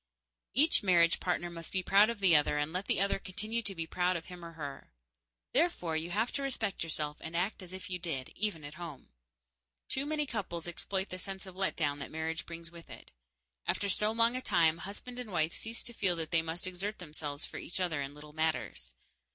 Each marriage partner must be proud of the other and let the other continue to be proud of him or her. Therefore you have to respect yourself and act as if you did, even at home. Too many couples exploit the sense of let down that marriage brings with it. After so long a time, husband and wife cease to feel that they must exert themselves for each other in little matters.